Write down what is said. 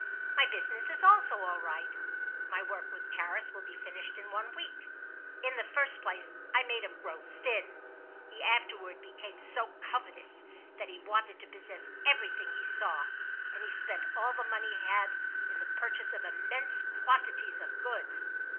"My business is also all right. My work with Tarras will be finished in one week. In the first place I made him grow thin. He afterward became so covetous that he wanted to possess everything he saw, and he spent all the money he had in the purchase of immense quantities of goods.